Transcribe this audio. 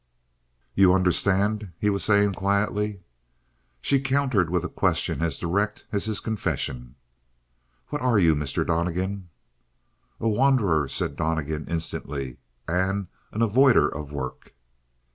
"You understand?" he was saying quietly. She countered with a question as direct as his confession. "What are you, Mr. Donnegan?" "A wanderer," said Donnegan instantly, "and an avoider of work."